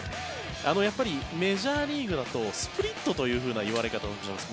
やっぱり、メジャーリーグだとスプリットという言われ方をします。